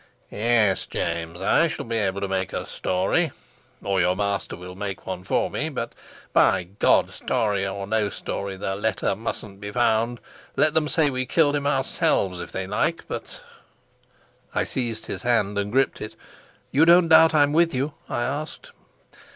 "Yes, James, I shall be able to make a story, or your master will make one for me. But, by God, story or no story, the letter mustn't be found. Let them say we killed him ourselves if they like, but " I seized his hand and gripped it. "You don't doubt I'm with you?" I asked.